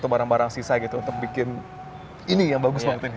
atau barang barang sisa gitu untuk bikin ini yang bagus banget ini